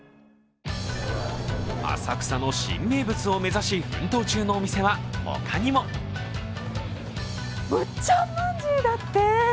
浅草の新名物を目指し、奮闘中のお店はほかにも。むっちゃんまんじゅうだって！